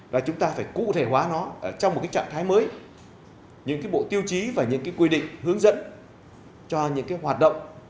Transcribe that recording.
là chúng ta phải cụ thể hóa nó trong một trạng thái mới những bộ tiêu chí và những quy định hướng dẫn cho những hoạt động